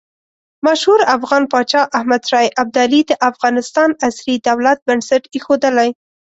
مشهور افغان پاچا احمد شاه ابدالي د افغانستان عصري دولت بنسټ ایښودلی.